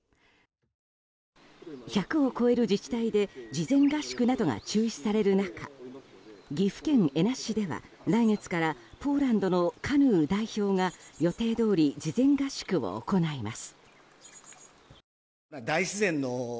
１００を超える自治体で事前合宿などが中止される中岐阜県恵那市では、来月からポーランドのカヌー代表が予定どおり事前合宿を行います。